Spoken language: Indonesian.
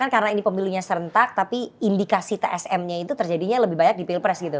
karena ini pemilunya serentak tapi indikasi tsm nya itu terjadinya lebih banyak di pilpres gitu